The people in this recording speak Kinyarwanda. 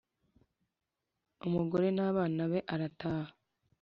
umugore n’ abana be arataha